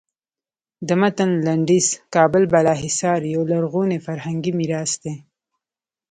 د متن لنډیز کابل بالا حصار یو لرغونی فرهنګي میراث دی.